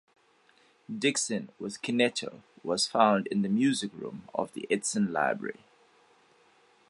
Dixon with Kineto was found in the music room of the Edison laboratory.